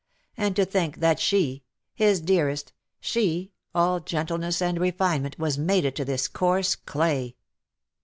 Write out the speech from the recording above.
And to think that she — his dearest, she, all gentleness and refinement, was mated to this coarse clay